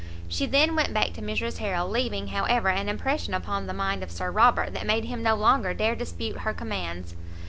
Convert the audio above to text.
She then went back to Mrs Harrel, leaving, however, an impression upon the mind of Sir Robert, that made him no longer dare dispute her commands.